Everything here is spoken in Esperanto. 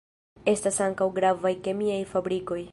Estas ankaŭ gravaj kemiaj fabrikoj.